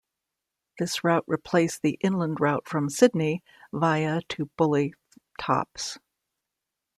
This route replaced the inland route from Sydney via to Bulli Tops.